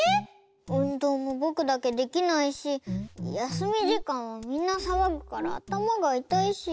うんどうもぼくだけできないしやすみじかんはみんなさわぐからあたまがいたいし。